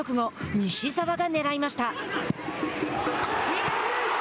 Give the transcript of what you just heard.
西澤が狙いました。